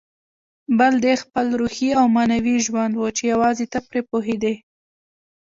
بل دې خپل روحي او معنوي ژوند و چې یوازې ته پرې پوهېدې.